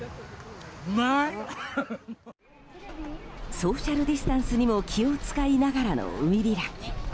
ソーシャルディスタンスにも気を使いながらの海開き。